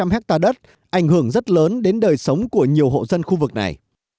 năm trăm linh hectare đất ảnh hưởng rất lớn đến đời sống của nhiều hộ dân khu vực này